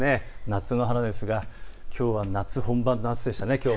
夏の花ですがきょうは夏本番の暑さでしたね。